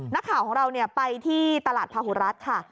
นักข่าวของเราไปที่ตลาดพาหุรัฐค่ะ